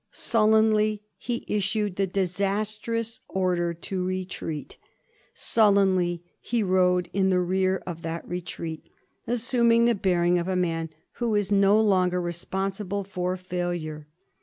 Sullenly he issued the disastrous order to retreat, sullenly he rode in the rear of that retreat, assuming the bearing of a man who is no longer responsible for failure.